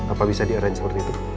apa bisa di arrange seperti itu